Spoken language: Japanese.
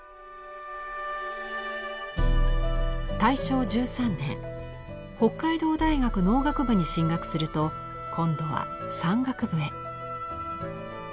大正１３年北海道大学農学部に進学すると今度は山岳部へ。